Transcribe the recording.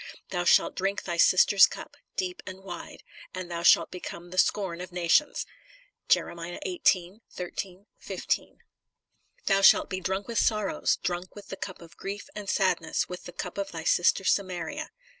Thou shalt drink thy sister s cup, deep and wide, and thou shalt become the scorn of nations." "Thou shalt be drunk with sorrows, drunk with the cup of grief and sadness, with the cup of thy sister Samaria."